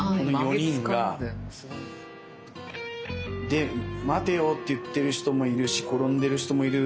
で「待てよ」って言ってる人もいるし転んでる人もいる。